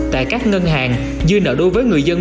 tại các ngân hàng dư nợ đối với người dân